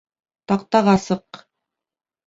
Таҡтаға сыҡ!